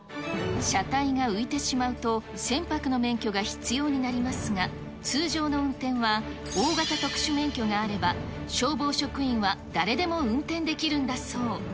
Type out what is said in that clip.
車体が浮いてしまうと、船舶の免許が必要になりますが、通常の運転は、大型特殊免許があれば、消防職員は誰でも運転できるんだそう。